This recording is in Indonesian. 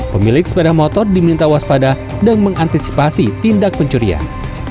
pemilik sepeda motor diminta waspada dan mengantisipasi tindak pencurian